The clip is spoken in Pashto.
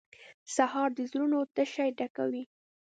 سهار د زړونو تشې ډکوي.